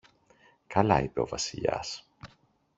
καλά, είπε ο Βασιλιάς.